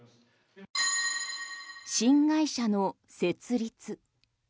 新会社の設立。